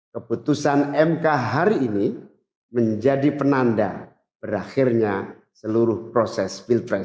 keputusan mk hari ini menjadi penanda berakhirnya seluruh proses pilpres dua ribu dua puluh empat